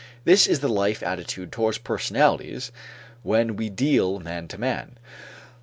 This is the life attitude towards personalities when we deal man to man.